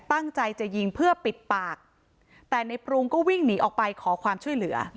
ตั้งใจจะยิงเพื่อปิดปากแต่ในปรุงก็วิ่งหนีออกไปขอความช่วยเหลือ